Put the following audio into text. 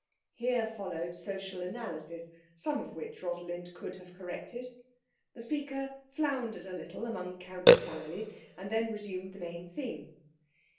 Here followed social analysis, some of which Rosalind could have corrected. The speaker floundered a little among county families, and then resumed the main theme.